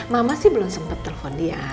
mama sih belum sempat telepon dia